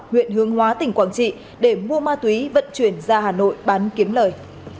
huyện hướng hóa tỉnh quảng trị để mua ma túy vận chuyển ra hà nội bán kiếm lời